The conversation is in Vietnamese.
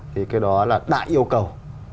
thì cái đó là đại yêu cầu